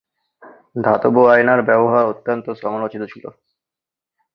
ধাতব আয়নার ব্যবহার অত্যন্ত সমালোচিত ছিল।